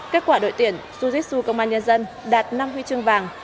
kết quả đội tuyển jiu jitsu công an nhân dân đạt năm huy chương vàng